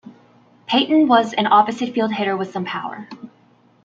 Payton was an opposite-field hitter with some power.